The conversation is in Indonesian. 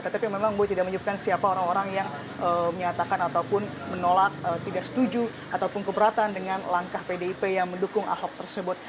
tetapi memang boy tidak menyebutkan siapa orang orang yang menyatakan ataupun menolak tidak setuju ataupun keberatan dengan langkah pdip yang mendukung ahok tersebut